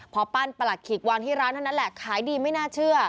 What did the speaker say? พอปั้นประหลัดขีกวางที่ร้านเท่านั้นแหละขายดีไม่น่าเชื่อ